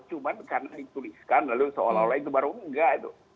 cuma karena dituliskan lalu seolah olah itu baru enggak itu